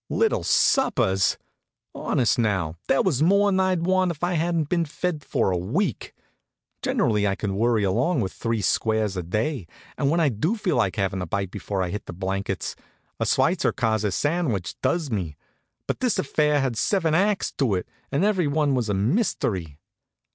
Little suppers! Honest, now, there was more'n I'd want if I hadn't been fed for a week. Generally I can worry along with three squares a day, and when I do feel like havin' a bite before I hit the blankets, a sweitzerkase sandwich does me. But this affair had seven acts to it, and everyone was a mystery.